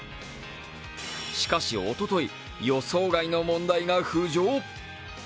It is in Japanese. しかし、おととい予想外の問題が浮上。